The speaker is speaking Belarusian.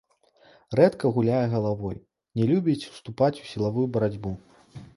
Рэдка гуляе галавой, не любіць уступаць у сілавую барацьбу.